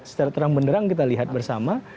secara terang benderang kita lihat bersama